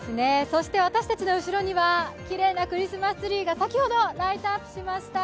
そして私たちの後ろにはきれいなクリスマスツリーが先ほどライトアップしました。